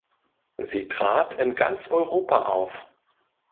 Sie trat in ganz Europa auf.